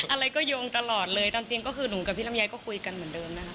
อะไรก็โยงตลอดเลยตามจริงก็คือหนูกับพี่ลำไยก็คุยกันเหมือนเดิมนะคะ